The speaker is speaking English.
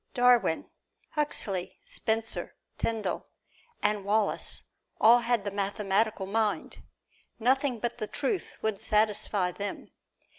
Darwin, Huxley, Spencer, Tyndall and Wallace all had the mathematical mind. Nothing but the truth would satisfy them.